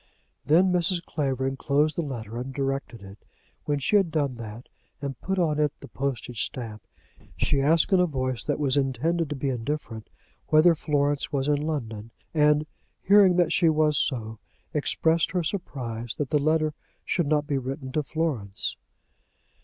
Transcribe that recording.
Then Mrs. Clavering closed the letter and directed it. When she had done that, and put on it the postage stamp, she asked in a voice that was intended to be indifferent whether Florence was in London; and, hearing that she was so, expressed her surprise that the letter should not be written to Florence.